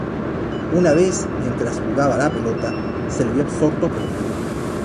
Una vez, mientras jugaba a la pelota, se le vio absorto por un minuto.